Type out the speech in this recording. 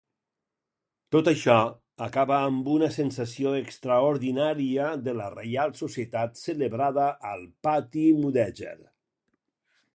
Tot això acaba amb una sessió extraordinària de la Reial Societat celebrada al pati mudèjar.